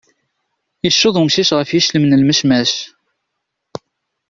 Yecceḍ umcic ɣef yiclem n lmecmac.